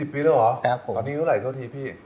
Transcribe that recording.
ปีแล้วเหรออันนี้เท่าไหรเท่าทีพี่